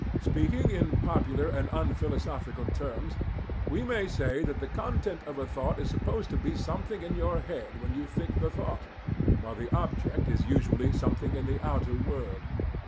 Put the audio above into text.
Speaking in popular and unphilosophical terms, we may say that the content of a thought is supposed to be something in your head when you think the thought, while the object is usually something in the outer world.